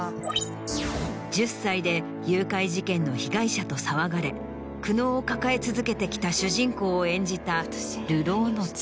１０歳で誘拐事件の被害者と騒がれ苦悩を抱え続けてきた主人公を演じた『流浪の月』。